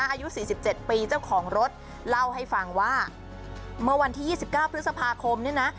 อายุสี่สิบเจ็ดปีเจ้าของรถเล่าให้ฟังว่าเมื่อวันที่ยี่สิบเก้าพฤษภาคมเนี้ยนะ